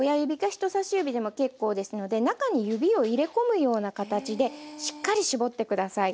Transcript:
人さし指でも結構ですので中に指を入れ込むような形でしっかり搾って下さい。